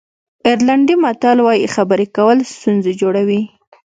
آیرلېنډي متل وایي خبرې کول ستونزې جوړوي.